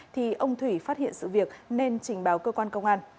thì ông thủy phát hiện sự việc nên trình báo cơ quan công an